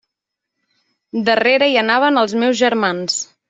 Darrere hi anaven els meus germans.